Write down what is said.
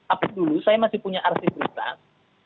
apa dulu saya masih punya arsif tersebut